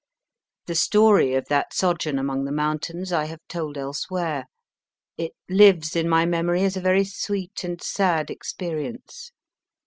The story of that sojourn among the mountains I have told elsewhere. It lives in my memory as a very sweet and sad experience.